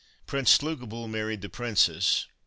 Prince Slugobyl married the princess.